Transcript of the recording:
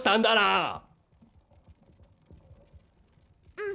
⁉うん。